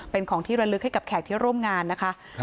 เป็นของที่ระลึกให้กับแขกที่ร่วมงานนะคะ